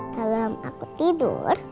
kalau aku tidur